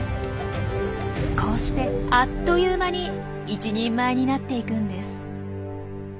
こうしてあっという間に一人前になっていくんです。